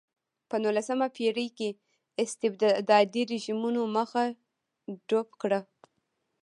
په نولسمه پېړۍ کې استبدادي رژیمونو مخه ډپ کړه.